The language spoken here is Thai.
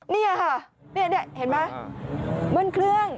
นี่ค่ะนี่เห็นไหมเบิ้ลเครื่อง